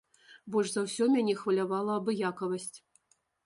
Больш за ўсё мяне хвалявала абыякавасць.